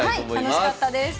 楽しかったです。